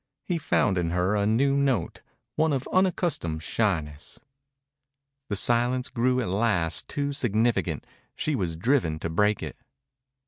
He found in her a new note, one of unaccustomed shyness. The silence grew at last too significant. She was driven to break it.